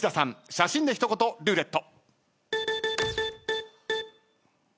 写真で一言ルーレット。